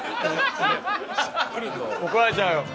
怒られちゃうよ。